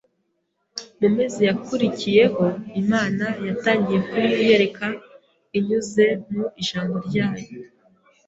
" Mu mezi yakurikiyeho, Imana yatangiye kunyiyereka inyuze mu ijambo ryayo